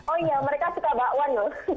oh iya mereka suka bakwan loh